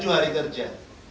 tujuh hari kerja